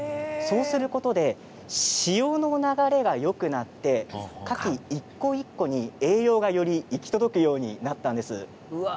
そうすることで潮の流れがよくなってカキ一個一個に栄養がより行き届くようになったんです。